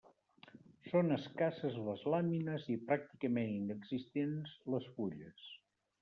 Són escasses les làmines i pràcticament inexistents les fulles.